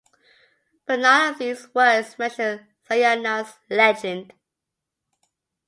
But none of these works mention Sayana's legend.